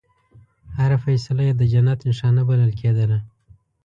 هره فیصله یې د جنت نښانه بلل کېدله.